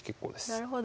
なるほど。